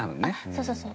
そうそうそう。